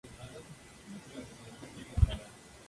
Fundó y dirigió la revista "Mariana".